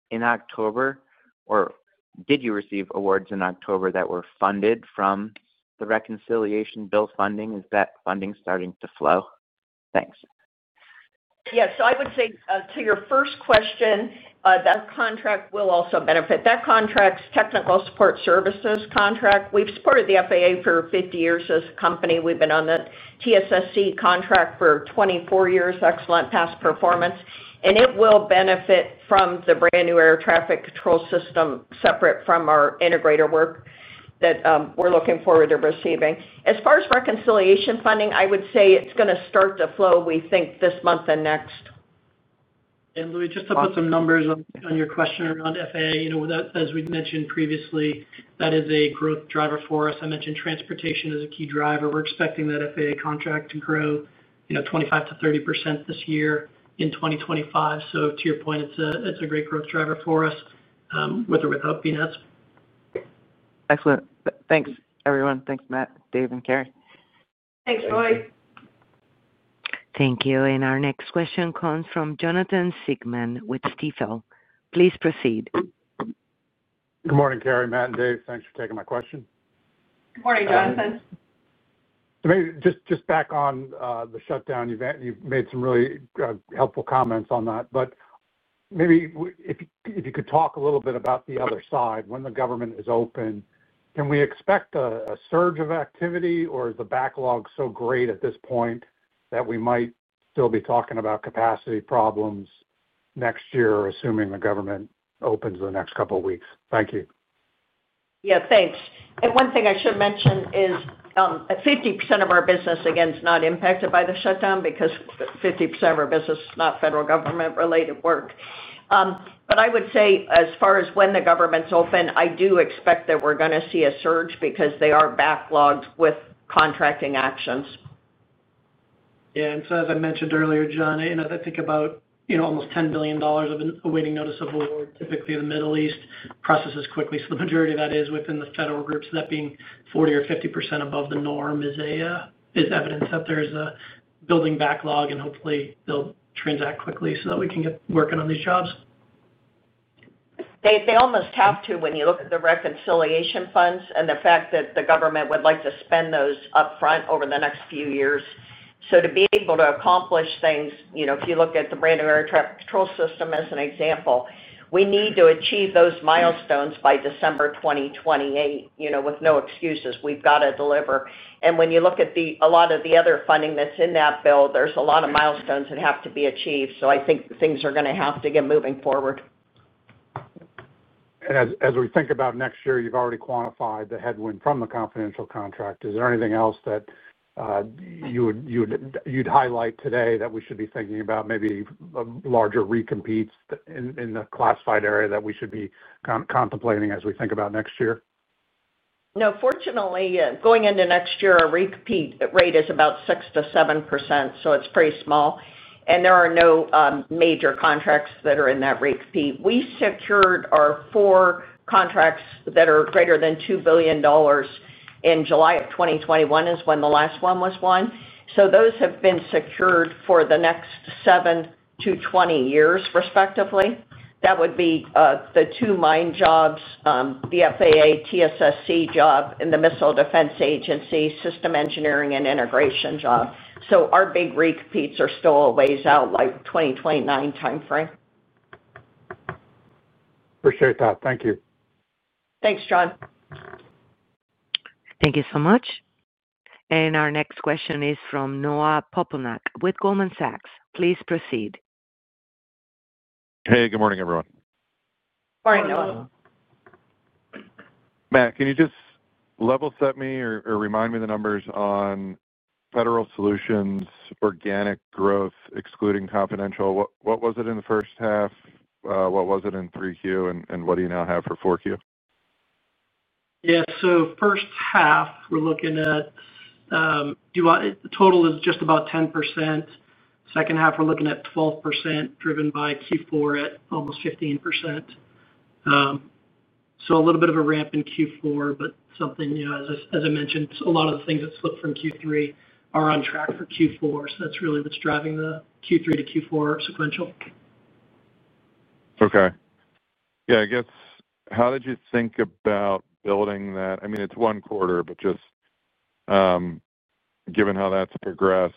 Speaker 11: in October or did you receive awards in October that were funded from the reconciliation bill funding? Is that funding starting to flow? Thanks.
Speaker 3: Yes, I would say to your first question, that contract will also benefit that contract's technical support services contract. We've supported the FAA for 50 years as a company. We've been on the TSSC contract for 24 years. Excellent past performance and it will benefit from the brand new air traffic control system separate from our integrator work that we're looking forward to receiving. As far as reconciliation funding, I would say it's going to start to flow, we think this month and next.
Speaker 4: Louie, just to put some numbers on your question around FAA, as we mentioned previously, obviously that is a growth driver for us. I mentioned transportation is a key driver. We're expecting that FAA contract to grow, you know, 25%-30% this year in 2025. To your point, it's a great growth driver for us with or without BNets.
Speaker 11: Excellent. Thanks everyone. Thanks. Matt, Dave, and Carey.
Speaker 3: Thanks, Louie.
Speaker 1: Thank you. Our next question comes from Jonathan Siegmann with Stifel. Please proceed.
Speaker 12: Good morning, Carey, Matt and Dave. Thanks for taking my question.
Speaker 3: Good morning, Jonathan.
Speaker 12: Just back on the shutdown, you've made some really helpful comments on that. Maybe if you could talk a little bit about the other side. When the government is open, can we expect a surge of activity or is the backlog so great at this point that we might still be talking about capacity problems next year assuming the government opens the next couple of weeks? Thank you.
Speaker 3: Yeah, thanks. One thing I should mention is 50% of our business, again, is not impacted by the shutdown because 50% of our business is not federal government related work. I would say as far as when the government's open, I do expect that we're going to see a surge because they are backlogged with contracting actions.
Speaker 4: Yeah. As I mentioned earlier, John, I think about almost $10 billion of awaiting notice of award. Typically the Middle East processes quickly, so the majority of that is within the federal groups. That being 40% or 50% above the norm is evidence that there is a building backlog and hopefully they will transact quickly so that we can get working on these jobs.
Speaker 3: They almost have to. When you look at the reconciliation funds and the fact that the government would like to spend those up front over the next few years. To be able to accomplish things, you know, if you look at the brand new air traffic control system as an example, we need to achieve those milestones by December 2028, you know, with no excuses. We've got to deliver. When you look at a lot of the other funding that's in that bill, there are a lot of milestones that have to be achieved. I think things are going to have to get moving forward.
Speaker 12: As we think about next year, you've already quantified the headwind from the confidential contract. Is there anything else that you'd highlight today that we should be thinking about? Maybe larger recompetes in the classified area that we should be contemplating as we think about next year?
Speaker 3: No, fortunately going into next year a recompete rate is about 6%-7%. So it's pretty small. And there are no major contracts that are in that recipe. We secured our four contracts that are greater than $2 billion in July of 2021 is when the last one was won. So those have been secured for the next seven to 20 years respectively. That would be the two mine jobs, the FAA, TSSC job and the Missile Defense Agency System engineering and integration job. So our big recompeats are still a ways out, like 2029 timeframe.
Speaker 12: Appreciate that. Thank you.
Speaker 3: Thanks, John.
Speaker 1: Thank you so much. Our next question is from Noah Poponak with Goldman Sachs. Please proceed.
Speaker 13: Hey, good morning, everyone.
Speaker 3: Good morning, Noah.
Speaker 13: Matt, can you just level set me or remind me the numbers on Federal Solutions, organic growth excluding confidential. What was it in the first half? What was it in 3Q and what do you now have for 4Q?
Speaker 4: Yeah, so first half we're looking at the total is just about 10%. Second half we're looking at 12%, driven by Q4 at almost 15%. A little bit of a ramp in Q4 but something, you know, as I mentioned, a lot of the things that slipped from Q3 are on track for Q4. That's really what's driving the Q3 to Q4 sequential.
Speaker 13: Okay. Yeah, I guess. How did you think about building that? I mean it's one quarter, but just given how that's progressed,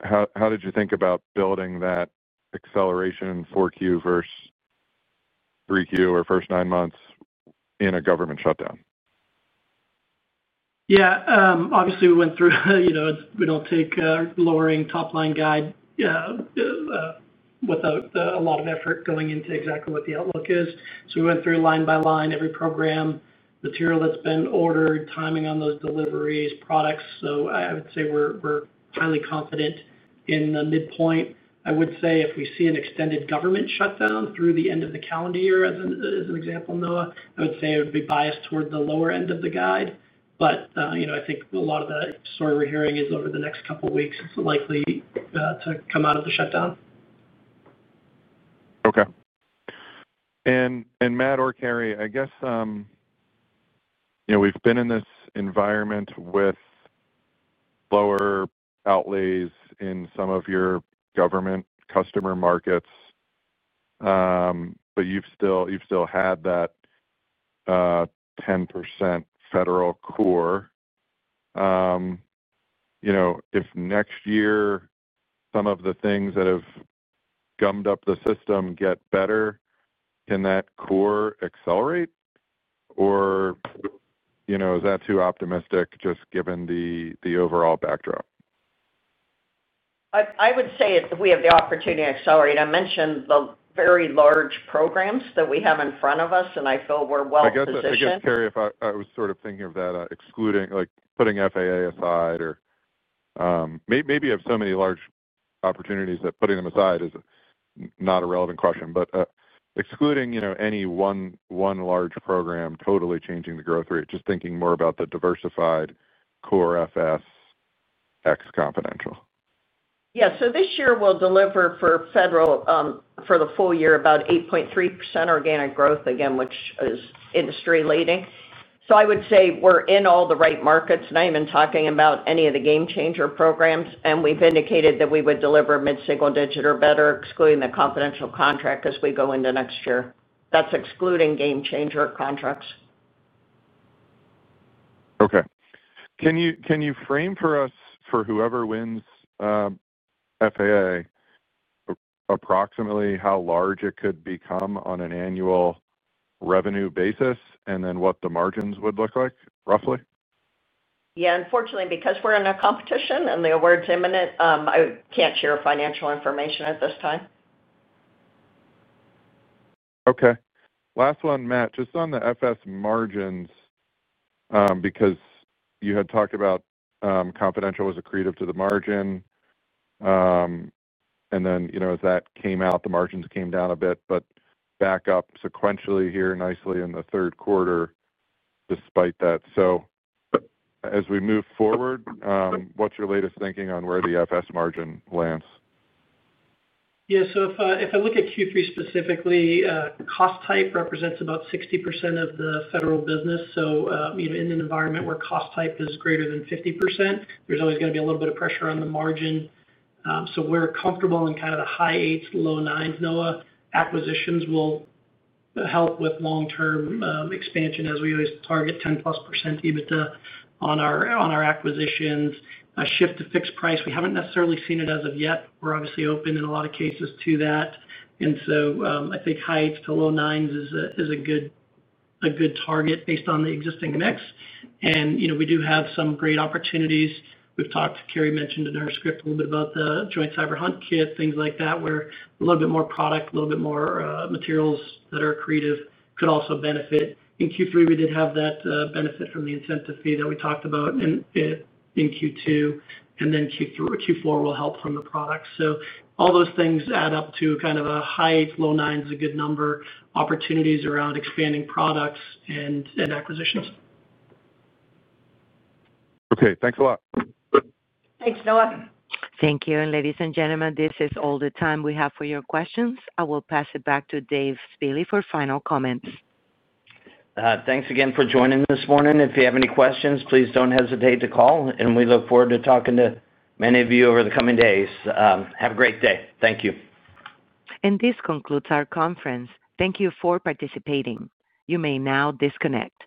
Speaker 13: how did you think about building that acceleration Q4 first 3Q or first nine months in a government shutdown?
Speaker 4: Yeah, obviously we went through, you know, we do not take lowering top line guide without a lot of effort going into exactly what the outlook is. So we went through line by line every program, material that has been ordered, timing on those deliveries, products. So I would say we are highly confident in the midpoint. I would say if we see an extended government shutdown through the end of the calendar year as an example, Noah, I would say it would be biased toward the lower end of the guide. You know, I think a lot of the story we are hearing is over the next couple weeks, it is likely to come out of the shutdown.
Speaker 13: Okay. And Matt or Carey, I guess, you know, we've been in this environment with lower outlays in some of your government customer markets, but you've still had that 10% federal core. You know, if next year some of the things that have gummed up the system get better, can that core accelerate or is that too optimistic? Just given the overall backdrop.
Speaker 3: I would say, we have the opportunity to accelerate. I mentioned the very large programs that we have in front of us, and I feel we're well positioned.
Speaker 13: I guess. Carey, if I was sort of thinking of that excluding, like putting FAA aside or maybe you have so many large opportunities that putting them aside is not a relevant question. But excluding, you know, any one large program, totally changing the growth rate. Just thinking more about the diversified core, FS ex-confidential.
Speaker 3: Yes. This year we'll deliver for federal for the full year about 8.3% organic growth, again, which is industry leading. I would say we're in all the right markets, not even talking about any of the game changer programs. We've indicated that we would deliver mid single digit or better, excluding the confidential contract as we go into next year. That's excluding game changer contracts.
Speaker 13: Okay, can you frame for us for whoever wins FAA, approximately how large it could become on an annual revenue basis and then what the margins would look like?
Speaker 3: Yeah, unfortunately, because we're in a competition and the award's imminent, I can't share financial information at this time.
Speaker 13: Okay, last one, Matt. Just on the FS margins, because you had talked about confidential was accretive to the margin. And then, you know, as that came out, the margins came down a bit, but back up sequentially here nicely in the third quarter despite that. As we move forward, what's your latest thinking on where the FS margin lands?
Speaker 4: Yeah, so if I look at Q3 specifically, cost type represents about 60% of the federal business. You know, in an environment where cost type is greater than 50%, there's always going to be a little bit of pressure on the margin. We're comfortable in kind of the high eights, low nines. Noah. acquisitions will help with long term expansion as we always target 10% plus EBITDA on our acquisitions shift to fixed price. We haven't necessarily seen it as of yet. We're obviously open in a lot of cases to that. I think high 8s to low 9s is a good target based on the existing mix and you know we do have some great opportunities. Carey mentioned in our script a little bit about the joint cyber hunt kit, things like that, where a little bit more product, a little bit more materials that are accretive could also benefit. In Q3 we did have that benefit from the incentive fee that we talked about in Q2, and then Q4 will help from the product. All those things add up to kind of a high 8s-low 9s, a good number, opportunities around expanding products and acquisitions.
Speaker 13: Okay, thanks a lot.
Speaker 3: Thanks Noah.
Speaker 1: Thank you. Ladies and gentlemen, this is all the time we have for your questions. I will pass it back to Dave Spille for final comments.
Speaker 2: Thanks again for joining this morning. If you have any questions please do not hesitate to call and we look forward to talking to many of you over the coming days. Have a great day. Thank you.
Speaker 1: This concludes our conference. Thank you for participating. You may now disconnect.